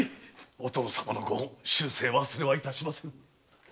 お殿様のご恩終生忘れはいたしません。